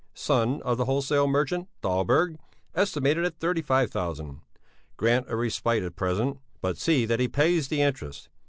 Son of the wholesale merchant Dahlberg, estimated at 35,000. Grant a respite at present, but see that he pays the interest.